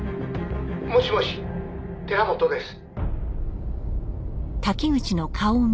「もしもし寺本です」